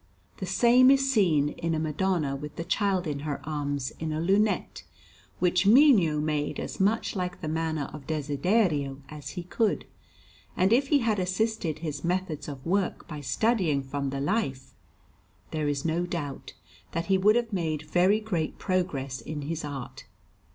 The same is seen in a Madonna with the Child in her arms, in a lunette, which Mino made as much like the manner of Desiderio as he could; and if he had assisted his methods of work by studying from the life, there is no doubt that he would have made very great progress in his art.